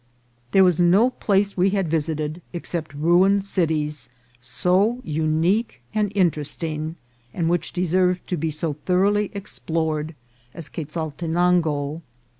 There was no place we had visited, except ruined cities, so unique and interesting, and which deserved to be so thoroughly explored, as Quezaltenango.